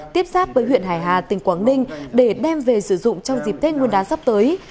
tiếp sát với huyện hải hà tỉnh quảng ninh để đem về sử dụng trong dịp thết nguyên đá sắp tới